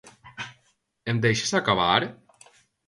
Em deixes acabar?